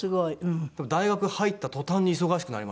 でも大学入った途端に忙しくなりました。